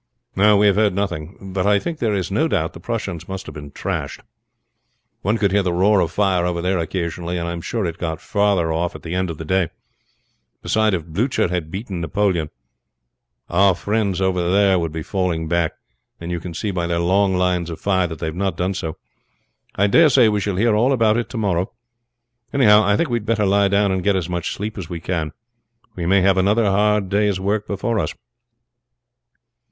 "We have heard nothing; but I think there is no doubt the Prussians must have been thrashed. One could hear the roar of fire over there occasionally, and I am sure it got farther off at the end of the day; beside, if Blucher had beaten Napoleon, our friends over there would be falling back, and you can see by their long lines of fire they have not done so. I dare say we shall hear all about it to morrow. Anyhow, I think we had better lie down and get as much sleep as we can, we may have another hard day's work before us."